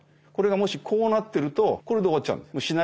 これがもしこうなってるとこれで終わっちゃう。